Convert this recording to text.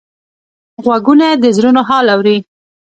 غوږونه د زړونو حال اوري